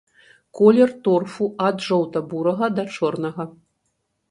Колер торфу ад жоўта-бурага да чорнага.